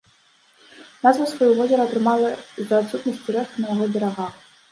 Назву сваю возера атрымала з-за адсутнасці рэха на яго берагах.